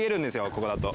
ここだと。